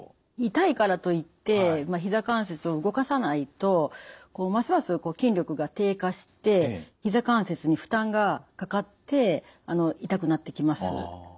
痛いからといってひざ関節を動かさないとますます筋力が低下してひざ関節に負担がかかって痛くなってきます。